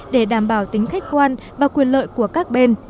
để đảm bảo tính khách quan và quyền lợi của các bên